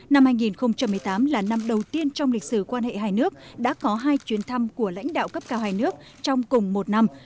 năm hai nghìn một mươi tám là năm đầu tiên trong lịch sử quan hệ hai nước đã có hai chuyến thăm của lãnh đạo cấp cao hai nước trong cùng một năm